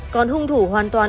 còn hung thủ hoàn toàn